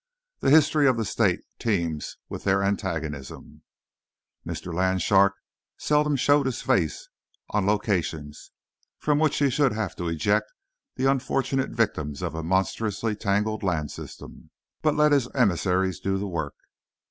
The history of the state teems with their antagonism. Mr. Land shark seldom showed his face on "locations" from which he should have to eject the unfortunate victims of a monstrously tangled land system, but let his emissaries do the work.